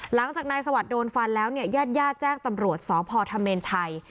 หลังจากนายสวัสดิ์โดนฟันแล้วเนี่ยญาติญาติแจ้งตำรวจสพธเมนชัย